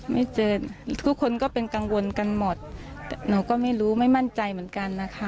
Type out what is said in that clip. ไม่เจอทุกคนก็เป็นกังวลกันหมดแต่หนูก็ไม่รู้ไม่มั่นใจเหมือนกันนะคะ